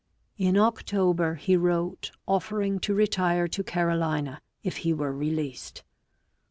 In October he wrote offering to retire to Carolina if he were released.